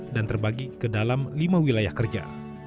dan terbagi ke dalam lima wilayah kerja